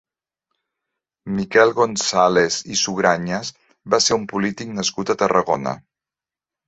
Miquel González i Sugranyes va ser un polític nascut a Tarragona.